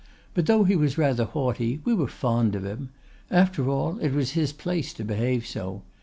But though he was rather haughty, we were fond of him. After all, it was his place to behave so.